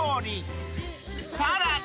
［さらに］